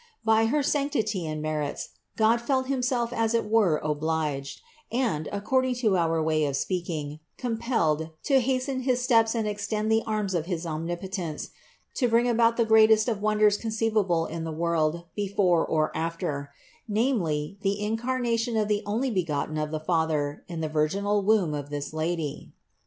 By her sanctity and merits God felt Himself as it were obliged, and, (according to our way of speaking), com pelled, to hasten his steps and extend the arms of his Omnipotence to bring about the greatest of wonders con ceivable in the world before or after: namely the Incar nation of the Onlybegotten of the Father in the virginal womb of this Lady.